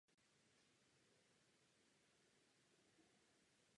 Nicméně značné úsilí skupiny místních podnikatelů pomohlo zachránit klub před zánikem.